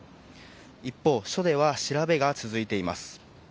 一方、署では調べが続いています。